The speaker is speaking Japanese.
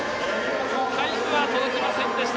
タイムは届きませんでした。